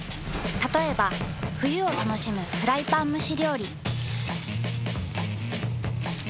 たとえば冬を楽しむフライパン蒸し料理。